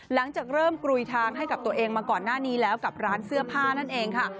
หลังจากเริ่มกลุยทางให้กับตัวเองมาก่อนหน้านี้แล้วกับร้านเสื้อผ้านั่นเองค่ะ